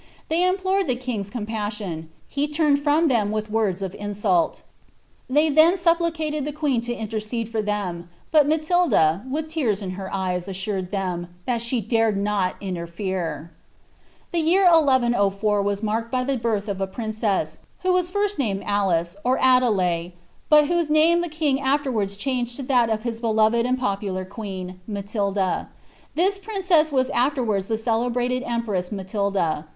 They implored the king's compassion j he turned from them with vcnli of insult. They then supplicated the queen lo intercede for ilicfu, bol Matilda, with tears in her eyes, assured them "' that she dared n&t inbo^ fere."' The year 1104 was marked by the binh of a princess, who was fini named Alice, or Adelais,' but whose name the king afterwards cliangeil to that of his beloved and popular queen, Matilda. This princ««t WM afterwards the celebrated empress Matilda.